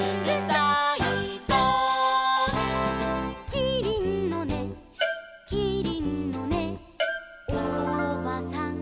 「キリンのねキリンのねおばさんがね」